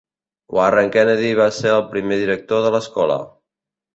Warren Kennedy va ser el primer director de l'escola.